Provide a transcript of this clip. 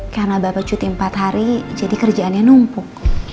karena bapak cuti empat hari jadi kerjaannya numpuk